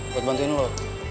buat bantuin lo